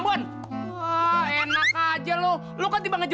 buat obat lagi ikutin terus